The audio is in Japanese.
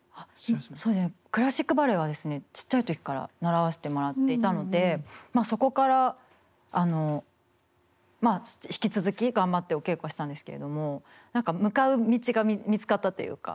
そうですねクラシックバレエはですねちっちゃい時から習わせてもらっていたのでまあそこから引き続き頑張ってお稽古したんですけれども何か向かう道が見つかったっていうか。